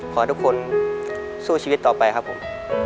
ขอให้ทุกคนสู้ชีวิตต่อไปครับผม